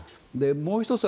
もう１つ